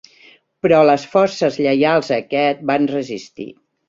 Però les forces lleials a aquest van resistir.